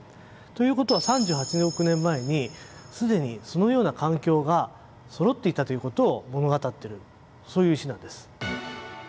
ということは３８億年前にすでにそのような環境がそろっていたということを物語ってるそういう石なんです。